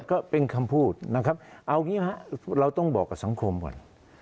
ก็เป็นคำพูดนะครับเอางี้ครับเราต้องบอกกับสังคมก่อน